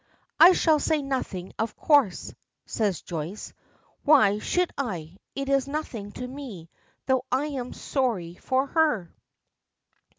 "I shall say nothing, of course," says Joyce. "Why should I? It is nothing to me, though I am sorry for her."